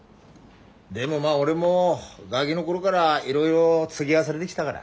でもまあ俺もガギの頃からいろいろつぎあわされできたから。